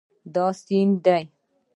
دا سیند دی